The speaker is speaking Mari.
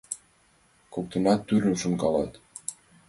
Коктынат тӱрлым шонкалат.